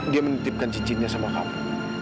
dia menitipkan cicinya sama kamu